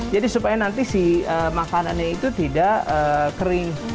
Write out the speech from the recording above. jadi supaya nanti si makanannya itu tidak kering